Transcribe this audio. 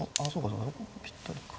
そこがぴったりか。